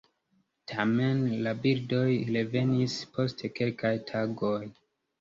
Tamen la birdoj revenis post kelkaj tagoj.